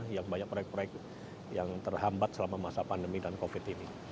yang banyak proyek proyek yang terhambat selama masa pandemi dan covid ini